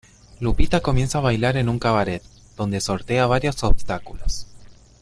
Lupita comienza a bailar en un cabaret, donde sortea varios obstáculos.